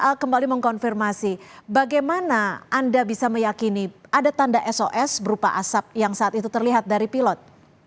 saya kembali mengkonfirmasi bagaimana anda bisa meyakini ada tanda sos berupa asap yang saat itu terlihat dari pilot